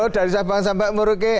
dari sabah sampai meruki